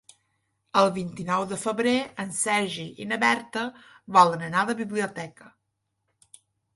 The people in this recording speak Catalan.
El vint-i-nou de febrer en Sergi i na Berta volen anar a la biblioteca.